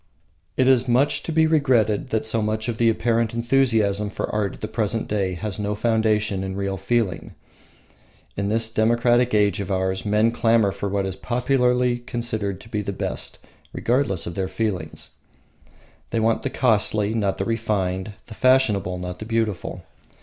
It is much to be regretted that so much of the apparent enthusiasm for art at the present day has no foundation in real feeling. In this democratic age of ours men clamour for what is popularly considered the best, regardless of their feelings. They want the costly, not the refined; the fashionable, not the beautiful.